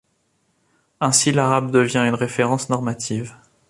Ainsi, l'arabe devient une référence normative.